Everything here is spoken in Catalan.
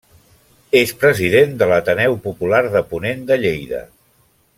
És president de l'Ateneu Popular de Ponent de Lleida.